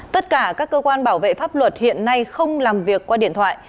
tất cả các cơ quan bảo vệ pháp luật hiện nay không làm việc qua điện thoại